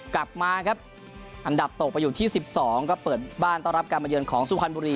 กลับมาครับอันดับตกไปอยู่ที่๑๒ก็เปิดบ้านต้อนรับการมาเยือนของสุพรรณบุรี